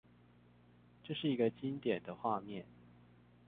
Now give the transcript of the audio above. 這是一個經典的畫面